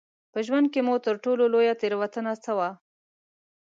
په ژوند کې مو تر ټولو لویه تېروتنه څه وه؟